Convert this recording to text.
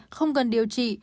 không cần điều trị